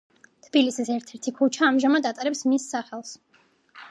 თბილისის ერთ-ერთ ქუჩა ამჟამად ატარებს მის სახელს.